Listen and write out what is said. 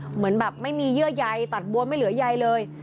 เหมือนแบบไม่มีเยื่อใยตัดบัวไม่เหลือใยเลย